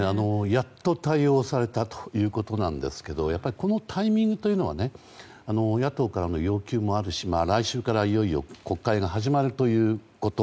やっと対応されたということなんですけどやっぱりこのタイミングというのは野党からの要求もあるし来週から、いよいよ国会が始まるということ。